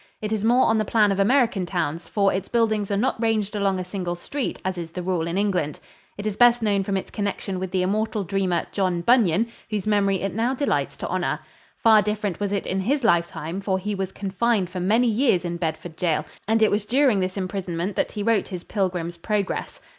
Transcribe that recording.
It is more on the plan of American towns, for its buildings are not ranged along a single street as is the rule in England. It is best known from its connection with the immortal dreamer, John Bunyan, whose memory it now delights to honor. Far different was it in his lifetime, for he was confined for many years in Bedford Jail and it was during this imprisonment that he wrote his "Pilgrim's Progress."